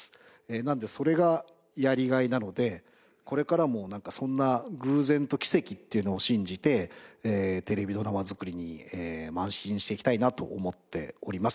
なのでそれがやりがいなのでこれからもそんな偶然と奇跡っていうのを信じてテレビドラマ作りに邁進していきたいなと思っております。